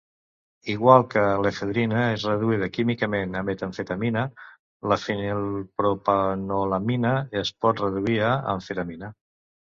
Igual que l'efedrina és reduïda químicament a metamfetamina, la fenilpropanolamina es pot reduir a amfetamina.